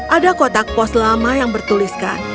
ada kotak pos lama yang bertuliskan